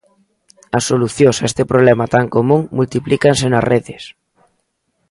As solucións a este problema tan común multiplícanse nas redes.